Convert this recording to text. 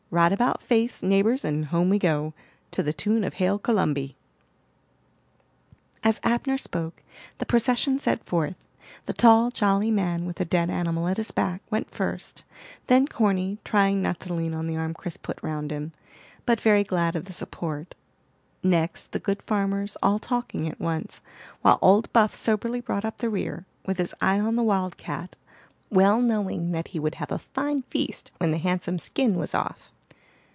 Right about face, neighbors, and home we go, to the tune of Hail Columby." As Abner spoke, the procession set forth. The tall, jolly man, with the dead animal at his back, went first; then Corny, trying not to lean on the arm Chris put round him, but very glad of the support; next the good farmers, all talking at once; while old Buff soberly brought up the rear, with his eye on the wildcat, well knowing that he would have a fine feast when the handsome skin was off.